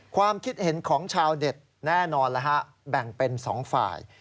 ความคิดเห็นของชาวเด็ดแน่นอนแล้วฮะแบ่งเป็น๒ฝ่าย